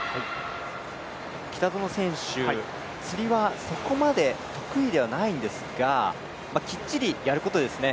北園選手、つり輪はそこまで得意ではないんですがきっちりやることですね。